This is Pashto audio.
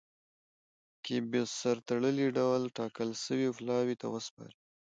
کي په سر تړلي ډول ټاکل سوي پلاوي ته وسپاري.